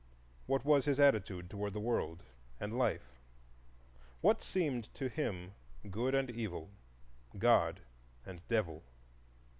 What was his attitude toward the World and Life? What seemed to him good and evil,—God and Devil?